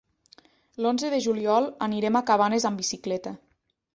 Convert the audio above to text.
L'onze de juliol anirem a Cabanes amb bicicleta.